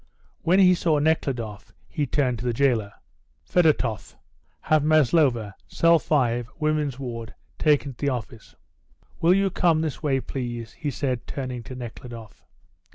When he saw Nekhludoff he turned to the jailer. "Fedotoff, have Maslova, cell 5, women's ward, taken to the office." "Will you come this way, please," he said, turning to Nekhludoff.